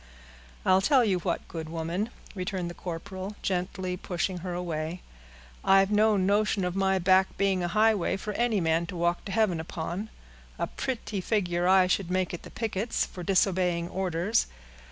"I'll tell you what, good woman," returned the corporal, gently pushing her away; "I've no notion of my back being a highway for any man to walk to heaven upon. A pretty figure I should make at the pickets, for disobeying orders.